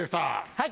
はい！